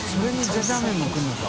ジャジャン麺も来るのか。